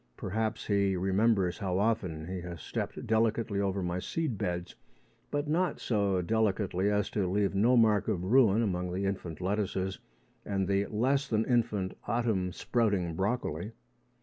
Perhaps he remembers how often he has stepped delicately over my seed beds, but not so delicately as to leave no mark of ruin among the infant lettuces and the less than infant autumn sprouting broccoli.